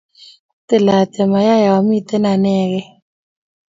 kwatiil atyem ayay amite anegei